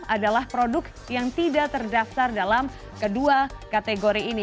adalah produk yang tidak terdaftar dalam kedua kategori ini